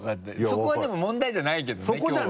そこはでも問題じゃないけどねきょうは。